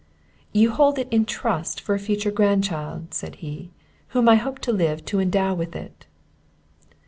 "You hold it in trust for a future grandchild," said he, "whom I hope to live to endow with it."